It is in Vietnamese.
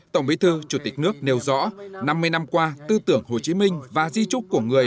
tổng bí thư chủ tịch nước nêu rõ năm mươi năm qua tư tưởng hồ chí minh và di trúc của người